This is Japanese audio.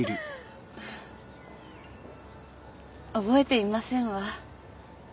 覚えていませんわ。